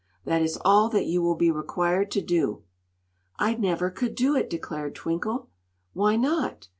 That is all that you will be required to do." "I never could do it!" declared Twinkle. "Why not?"